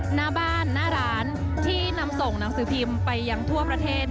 หน้าบ้านหน้าร้านที่นำส่งหนังสือพิมพ์ไปยังทั่วประเทศ